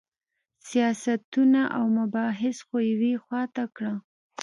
سیاستونه او مباحث خو یوې خوا ته کړه.